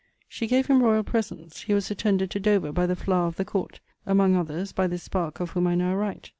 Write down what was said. She gave him royall presents; he was attended to Dover by the flower of the court; among others, by this sparke of whom I now write.